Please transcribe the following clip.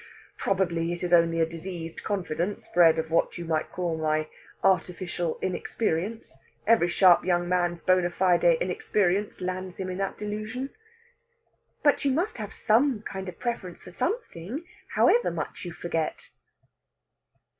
Probably it is only a diseased confidence bred of what you might call my artificial inexperience. Every sharp young man's bona fide inexperience lands him in that delusion." "But you must have some kind of preference for something, however much you forget."